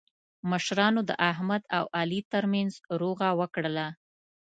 مشرانو د احمد او علي ترمنځ روغه وکړله.